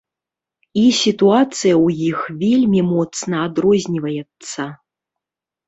І сітуацыя ў іх вельмі моцна адрозніваецца.